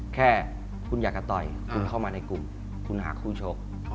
แค่คุณอยากจะต่อยคุณเข้ามาในกลุ่มคุณหาคู่ชก